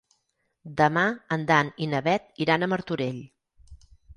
Demà en Dan i na Bet iran a Martorell.